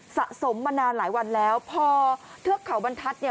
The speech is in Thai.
สะสมมานานหลายวันแล้วพอเทือกเขาบรรทัศน์เนี่ย